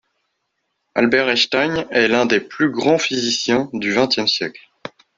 Albert Einstein est l'un des plus grands physiciens du vingtième siècle.